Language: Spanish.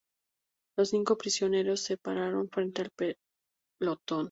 Los cinco prisioneros se pararon frente al pelotón.